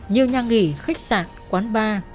nhiều nhà nghỉ khách sạn quán bar